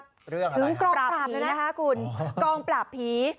เรื่องอะไรถึงกองปราบนี่นะคะคุณกองปราบผี